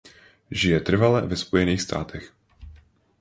Žije trvale ve Spojených státech.